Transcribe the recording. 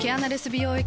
美容液